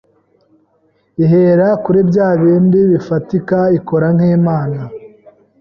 ihera kuri byabindi bifatika ikora nk’Imana,